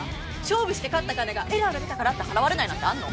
勝負して勝った金がエラーが出たからって払われないなんてあんの？